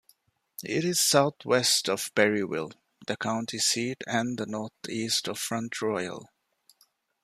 It is southwest of Berryville, the county seat and northeast of Front Royal.